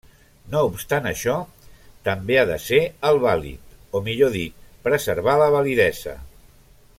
No obstant això, també ha de ser el vàlid, o millor dit, preservar la validesa.